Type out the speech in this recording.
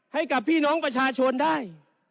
ให้กับพี่น้องประชาชนได้